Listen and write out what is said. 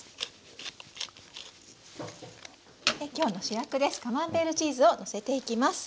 で今日の主役ですカマンベールチーズをのせていきます。